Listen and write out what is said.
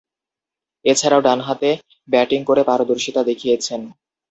এছাড়াও, ডানহাতে ব্যাটিং করে পারদর্শীতা দেখিয়েছেন।